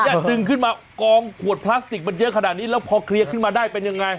ดึงขึ้นมากองขวดพลาสติกมันเยอะขนาดนี้แล้วพอเคลียร์ขึ้นมาได้เป็นยังไง